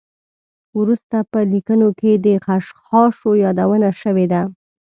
وروسته په لیکنو کې د خشخاشو یادونه شوې ده.